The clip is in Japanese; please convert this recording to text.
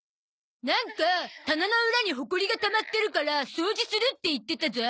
なんか棚のウラにホコリがたまってるから掃除するって言ってたゾ。